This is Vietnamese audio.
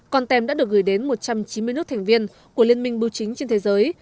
con tem đã được gửi đến một trăm chín mươi nước thành viên của liên minh bưu chính trên thế giới